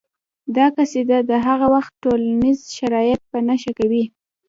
دا قصیده د هغه وخت ټولنیز شرایط په نښه کوي